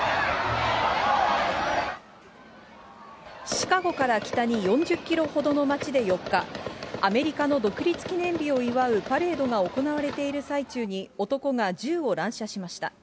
シカゴから北に４０キロほどの町で４日、アメリカの独立記念日を祝うパレードが行われている最中に、男が銃を乱射しました。